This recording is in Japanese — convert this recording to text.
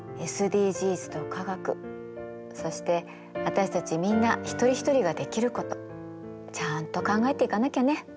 ＳＤＧｓと科学そして私たちみんな一人ひとりができることちゃんと考えていかなきゃね。